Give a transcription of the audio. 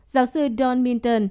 giáo sư don minton